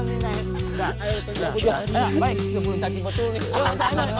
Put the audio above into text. baik udah mulai sakit gua dulu nih